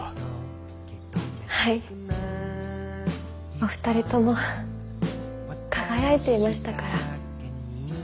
お二人とも輝いていましたから。